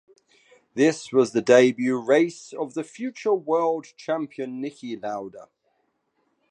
This was the debut race of the future world champion Niki Lauda.